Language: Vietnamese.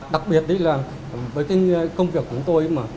đặc biệt với công việc của chúng tôi